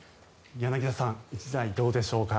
柳澤さん、１台どうでしょうか。